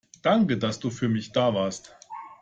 Danke, dass du für mich da warst.